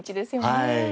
はい。